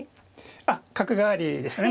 あっ角換わりでしたね。